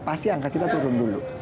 pasti angka kita turun dulu